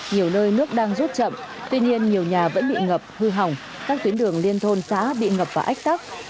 nhiều nơi nước đang rút chậm tuy nhiên nhiều nhà vẫn bị ngập hư hỏng các tuyến đường liên thôn xã bị ngập và ách tắc